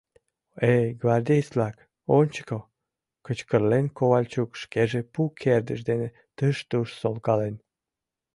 — Эй, гвардеец-влак, ончыко! — кычкырлен Ковальчук, шкеже пу кердыж дене тыш-туш солкален.